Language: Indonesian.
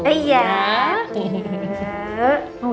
kita yang lebih seru